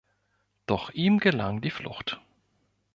Doch ihm gelang die Flucht.